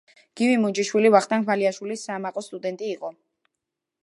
გივი მუნჯიშვილი ვახტანგ ფალიაშვილის საამაყო სტუდენტი იყო.